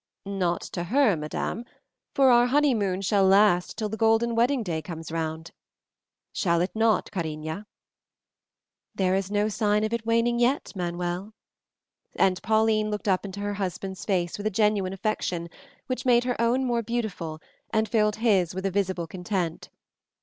"Not to her, madame, for our honeymoon shall last till the golden wedding day comes round. Shall it not, cariña?" "There is no sign of waning yet, Manuel," and Pauline looked up into her husband's face with a genuine affection which made her own more beautiful and filled his with a visible content.